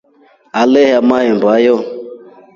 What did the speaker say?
Aleyaa mahemba hiyo.